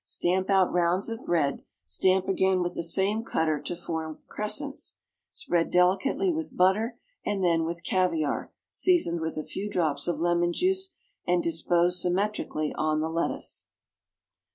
Stamp out rounds of bread; stamp again with the same cutter to form crescents, spread delicately with butter, and then with caviare seasoned with a few drops of lemon juice, and dispose symmetrically on the lettuce.